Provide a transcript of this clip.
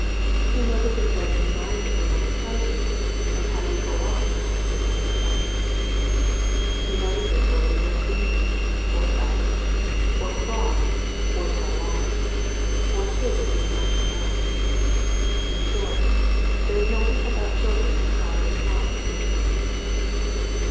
He notices whether you mind what your mother tells you, and how you go on when out of your mother's sight. He notices whether you are greedy, or selfish, or cross, or tell lies, or take what is not your own. In short, there is nothing about children that God does not notice.